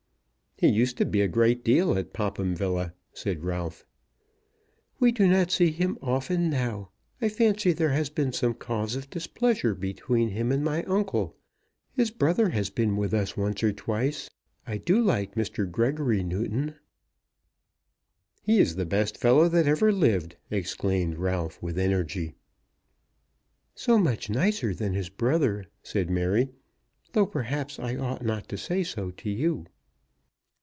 "He used to be a great deal at Popham Villa," said Ralph. "We do not see him often now. I fancy there has been some cause of displeasure between him and my uncle. His brother has been with us once or twice. I do like Mr. Gregory Newton." "He is the best fellow that ever lived," exclaimed Ralph with energy. "So much nicer than his brother," said Mary; "though perhaps I ought not to say so to you."